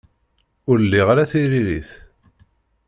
Ur liɣ ara tiririt.